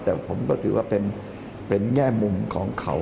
แต่ผมก็ถือว่าเป็นแง่มุมของเขา